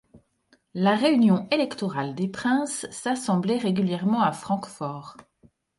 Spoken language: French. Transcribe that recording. La réunion électorale des princes s'assemblait régulièrement à Francfort.